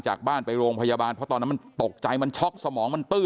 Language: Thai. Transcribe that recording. จากบ้านไปโรงพยาบาลเพราะตอนนั้นมันตกใจมันช็อกสมองมันตื้อ